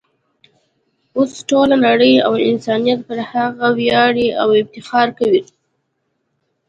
اوس ټوله نړۍ او انسانیت پر هغه ویاړي او فخر کوي.